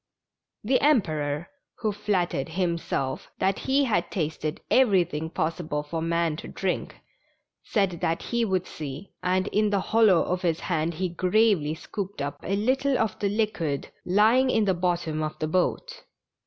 The Emperor, who flattered himself that he had tasted everything possible for man to drink, said that he would see, and in the hollow of his hand he gravely scooped up a little of the liquid lying in the bottom of the boat.